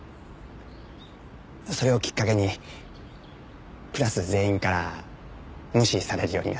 それをきっかけにクラス全員から無視されるようになって。